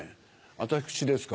私ですか？